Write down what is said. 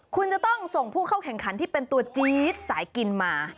คุณจะต้องส่งผู้เข้าแข่งขันที่เป็นตัวจี๊ดสายกินมา